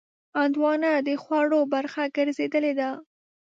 هندوانه د خوړو برخه ګرځېدلې ده.